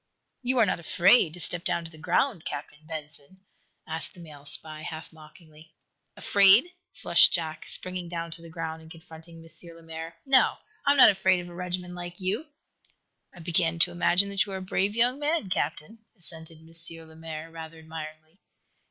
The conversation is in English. "You are not afraid to step down to the ground, Captain Benson?" asked the male spy, half mockingly. "Afraid?" flushed Jack, springing down to the ground and confronting M. Lemaire. "No; I am not afraid of a regiment like you!" "I begin to imagine that you are a brave young man, Captain," assented M. Lemaire, rather admiringly.